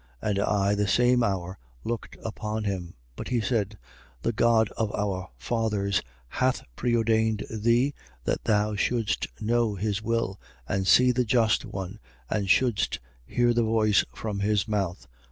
And I, the same hour, looked upon him. 22:14. But he said: The God of our fathers hath preordained thee that thou shouldst know his will and see the Just One and shouldst hear the voice from his mouth.